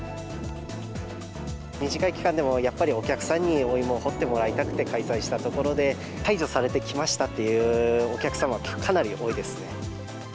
短い期間でもやっぱり、お客さんにお芋を掘ってもらいたくて開催したところで、解除されて来ましたっていうお客さん、かなり多いです。